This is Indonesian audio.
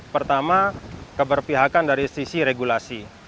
pertama keberpihakan dari sisi regulasi